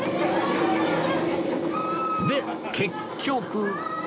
で結局